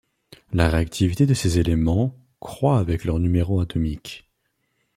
La réactivité de ces éléments croît avec leur numéro atomique.